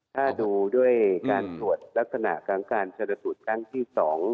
ถ้าดูด้วยการตรวจลักษณะการสรุปตั้งที่๒